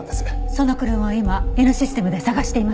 その車を今Ｎシステムで捜しています。